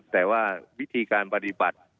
แต่ว่าวิธีการปฏิบัติ